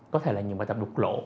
có thể là những bài tập đục lộ